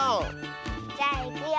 じゃあいくよ。